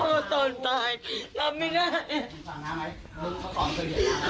พ่อส่วนตายรับไม่ได้